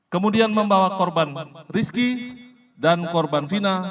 kemudian membawa korban rizky dan korban fina